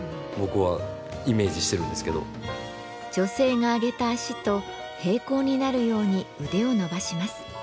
女性が上げた脚と並行になるように腕を伸ばします。